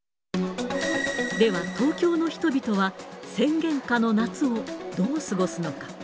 では東京の人々は、宣言下の夏をどう過ごすのか。